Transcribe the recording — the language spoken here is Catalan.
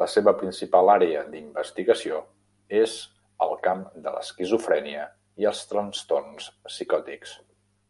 La seva principal àrea d'investigació és el camp de l'esquizofrènia i els trastorns psicòtics.